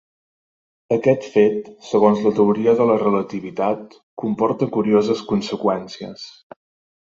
Aquest fet, segons la teoria de la relativitat, comporta curioses conseqüències.